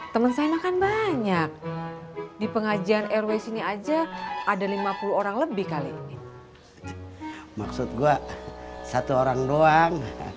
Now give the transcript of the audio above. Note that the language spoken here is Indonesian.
temen saya makan banyak di pengajian rw sini aja ada lima puluh orang lebih kali maksud gue satu orang doang